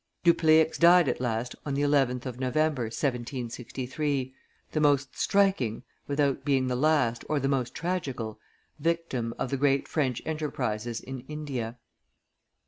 Dupleix died at last on the 11th of November, 1763, the most striking, without being the last or the most tragical, victim of the great French enterprises in India.